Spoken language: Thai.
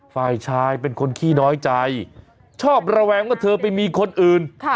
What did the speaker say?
ฝ่ายชายเป็นคนขี้น้อยใจชอบระแวงว่าเธอไปมีคนอื่น